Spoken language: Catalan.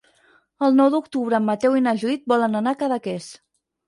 El nou d'octubre en Mateu i na Judit volen anar a Cadaqués.